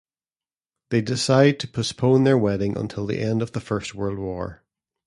They decide to postpone their wedding until the end of the First World War.